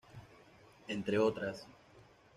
Entre otras